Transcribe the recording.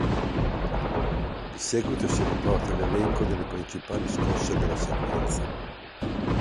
Di seguito si riporta l'elenco delle principali scosse della sequenza.